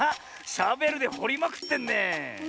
シャベルでほりまくってんねえ。